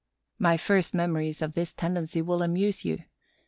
My first memories of this tendency will amuse you.